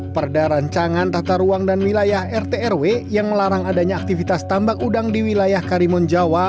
perda rancangan tata ruang dan wilayah rtrw yang melarang adanya aktivitas tambak udang di wilayah karimun jawa